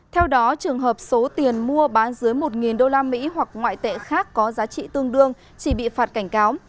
theo đó trường hợp số tiền mua bán dưới một usd hoặc ngoại tệ khác có giá trị tương đương chỉ bị phạt cảnh cáo